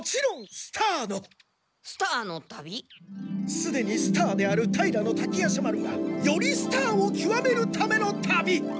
すでにスターである平滝夜叉丸がよりスターをきわめるための旅！